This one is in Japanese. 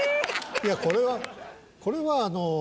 いやこれはこれはあの。